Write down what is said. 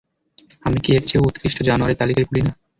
আমি কি এর চেয়েও উৎকৃষ্ট জানোয়ারের তালিকায় পড়ি না?